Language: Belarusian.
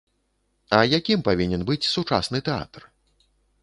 А якім павінен быць сучасны тэатр?